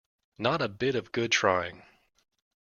Not a bit of good trying.